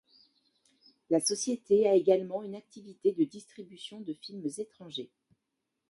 La société a également eu une activité de distribution de films étrangers.